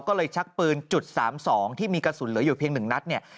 ก็เลยชักปืนจุดสามสองที่มีกระสุนเหลืออยู่เพียงหนึ่งนัด